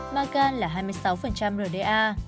magan là hai mươi sáu rda